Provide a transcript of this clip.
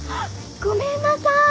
ごめんなさい